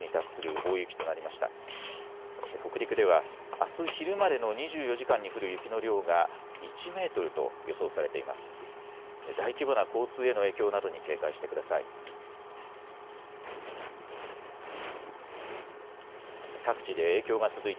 大規模な交通への影響などに警戒してください。